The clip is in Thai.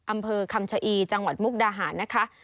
อำเภอคำชะอีจังหวัดมุกดาหารนะคะ